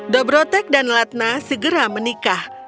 dobrotek dan latna segera menikah